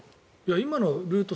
今のルート